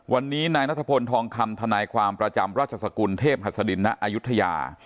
วันนี้นายนัทพลทองคำทนายความประจำราชสกุลเทพหัสดินณอายุทยา